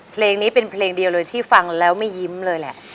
เพลงนี้เป็นเพลงเดียวเลยที่ฟังแล้วไม่ยิ้มเลยแหละ